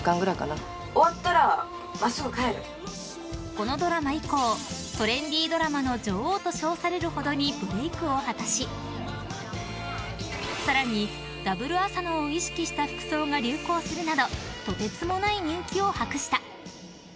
このドラマ以降トレンディードラマの女王と称されるほどにブレークを果たし更にダブル浅野を意識した服装が流行するなどとてつもない人気を博した。